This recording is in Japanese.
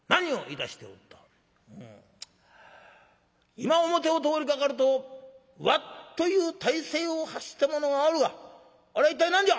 今表を通りかかると『ワッ』という大声を発した者があるがあれ一体何じゃ？」。